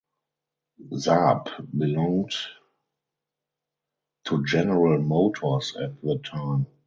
Saab belonged to General Motors at the time.